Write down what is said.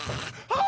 ああ！